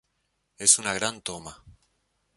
Es una gran toma".